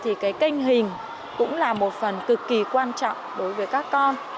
thì cái kênh hình cũng là một phần cực kỳ quan trọng đối với các con